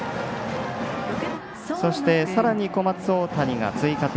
そして、さらに小松大谷が追加点。